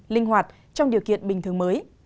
linh hoạt trong điều kiện bình thường mới